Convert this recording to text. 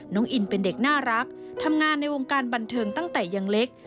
น้องอินเป็นเด็กน่ารักทำงานในวงการบันเทิงตั้งแต่ยังเล็ก